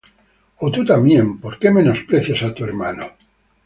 ó tú también, ¿por qué menosprecias á tu hermano?